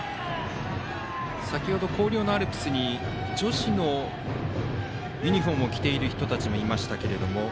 先ほど広陵のアルプスに女子のユニフォームを着ている人たちもいましたが。